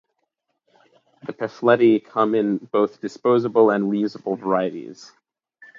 The pefletti come in both disposable and re-usable varieties.